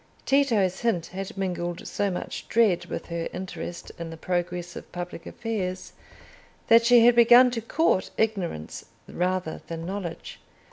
Tito's hint had mingled so much dread with her interest in the progress of public affairs that she had begun to court ignorance rather than knowledge.